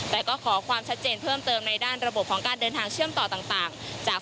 แต่ก็ขอความชัดเจนเพิ่มเติมในด้านระบบของการเดินทางเชื่อมต่อต่างจาก